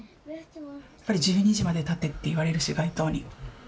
やっぱり「１２時まで立て」って言われるし街頭に。